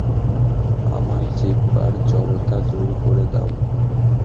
আমার জিহ্বার জড়তা দূর করে দাও।